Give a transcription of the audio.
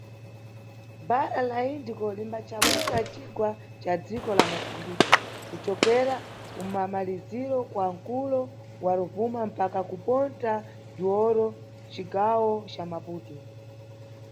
Bhara la Indiko limbachabwika mcigwa ca dziko la Moçambike, kucokera ku mamaliziro kwa mkulo wa Rovuma mpaka ku Ponta do Ouro, mʼcigawo ca Maputo.